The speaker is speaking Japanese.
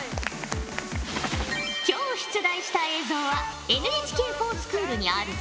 今日出題した映像はＮＨＫｆｏｒＳｃｈｏｏｌにあるぞ。